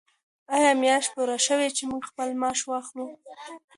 آیا میاشت پوره شوه چې موږ خپل معاش واخلو؟